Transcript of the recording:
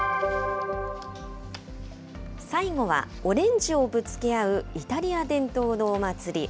最後はオレンジをぶつけ合うイタリア伝統のお祭り。